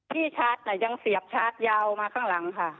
ที่ชาร์จยังเสียบชาร์จยาวมาข้างหลังค่ะ